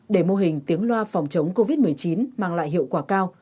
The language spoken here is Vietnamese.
để mô hình tiếng loa phòng chống covid một mươi chín mang lại hiệu quả cao